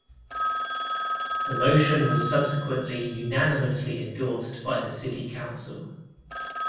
The motion was subsequently unanimously endorsed by the City Council.